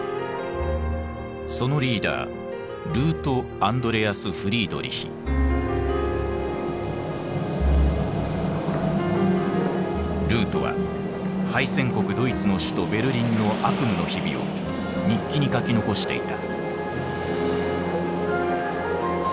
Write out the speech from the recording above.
そのリーダールートは敗戦国ドイツの首都ベルリンの悪夢の日々を日記に書き残していた。